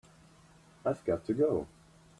I've got to go.